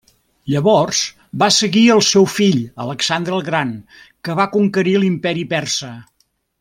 Llavors va seguir el seu fill Alexandre el Gran, que va conquerir l'Imperi Persa.